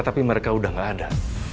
tapi mereka udah gak ada